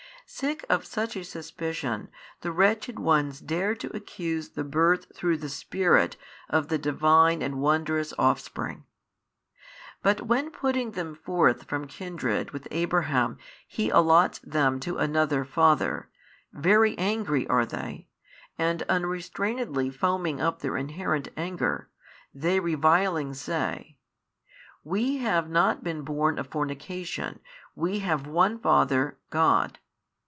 Sick of such a suspicion, the wretched ones dared to accuse the Birth through the Spirit of the Divine and wondrous Offspring. But when putting them forth from kindred with Abraham He allots them to another father, very angry are they, and unrestrainedly foaming up their inherent anger, they reviling say, WE have not been born of fornication, we have one Father, God.